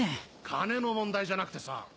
金の問題じゃなくてさ。